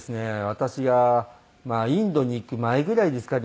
私がインドに行く前ぐらいですかね。